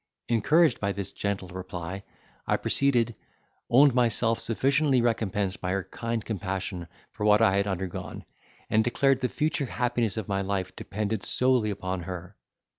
Encouraged by this gentle reply, I proceeded, owned myself sufficiently recompensed by her kind compassion for what I had undergone, and declared the future happiness of my life depended solely upon her.